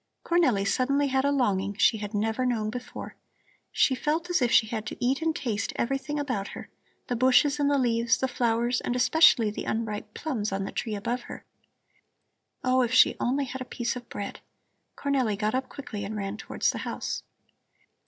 Cornelli suddenly had a longing she had never known before. She felt as if she had to eat and taste everything about her, the bushes and the leaves, the flowers, and especially the unripe plums on the tree above her. Oh, if she only had a piece of bread! Cornelli got up quickly and ran towards the house.